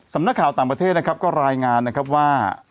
สำนักข่าวต่างประเทศนะครับก็รายงานนะครับว่า